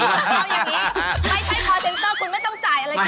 ไม่ใช่พอร์เซ็นเตอร์คุณไม่ต้องจ่ายอะไร